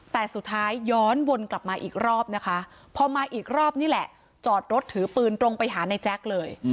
แต่สุดท้ายย้อนวนกลับมาอีกรอบนะคะพอมาอีกรอบนี่แหละจอดรถถือปืนตรงไปหาในแจ๊คเลย